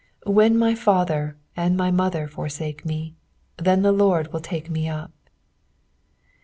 10 When my father and my mother forsake me, then the Lord will take me up.